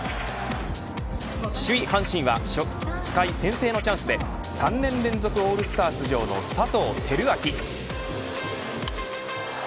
首位、阪神は初回先制のチャンスで３年連続オールスター出場の佐藤輝明。